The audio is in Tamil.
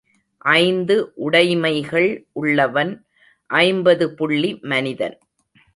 ஐந்து உடைமைகள் உள்ளவன் ஐம்பது புள்ளி மனிதன்.